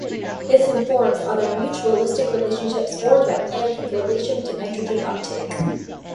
This informs other mutualistic relationships formed by plants with relation to nitrogen uptake.